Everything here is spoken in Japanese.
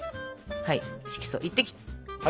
はい色素１滴。